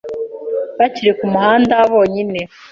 bakiri ku muhanda bonyine